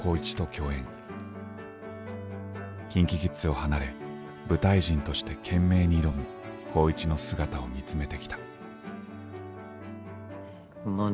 ＫｉｎＫｉＫｉｄｓを離れ舞台人として懸命に挑む光一の姿を見つめてきた。